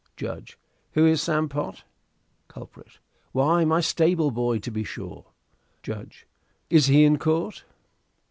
Judge. Who is Sam Pott? Culprit. Why, my stable boy, to be sure. Judge. Is he in court?